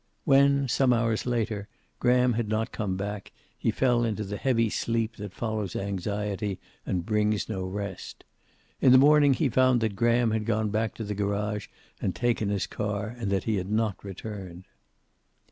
When, some hours later, Graham had not come back, he fell into the heavy sleep that follows anxiety and brings no rest. In the morning he found that Graham had gone back to the garage and taken his car, and that he had not returned.